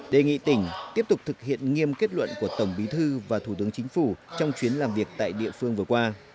đề nghị tỉnh tiếp tục thực hiện nghiêm kết luận của tổng bí thư và thủ tướng chính phủ trong chuyến làm việc tại địa phương vừa qua